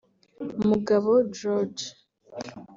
Mugabo George